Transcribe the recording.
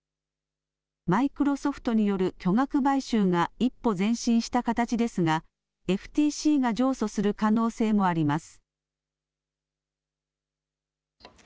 マイクロソフトによる巨額買収が一歩前進した形ですがＦＴＣが上訴する可能性もあります。